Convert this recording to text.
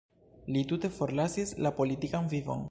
Li tute forlasis la politikan vivon.